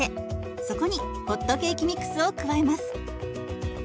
そこにホットケーキミックスを加えます。